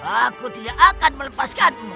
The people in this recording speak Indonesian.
aku tidak akan melepaskanmu